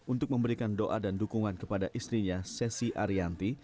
untuk memberikan doa dan dukungan kepada istrinya sesi arianti